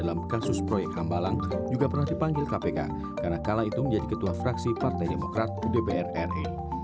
dalam kasus proyek hambalang juga pernah dipanggil kpk karena kala itu menjadi ketua fraksi partai demokrat di dpr ri